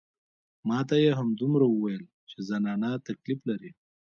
ما ته يې همدومره وويل چې زنانه تکليف لري.